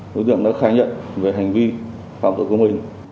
đối tượng đã khai nhận đối tượng hoàng văn linh và đối tượng nguyễn văn hồ